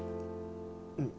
うん。